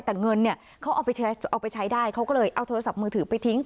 แต่เงินเนี่ยเขาเอาไปใช้ได้เขาก็เลยเอาโทรศัพท์มือถือไปทิ้ง